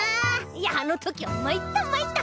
いやあのときはまいったまいった！